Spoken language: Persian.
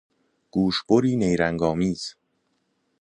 گوشبری نیرنگ آمیز